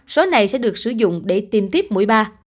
số này sẽ được sử dụng để tìm tiếp mũi ba